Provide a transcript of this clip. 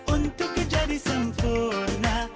untuk kejadi sempurna